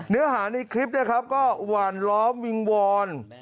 เนื้อหาในคลิปก็หว่านล้อมวิงวอน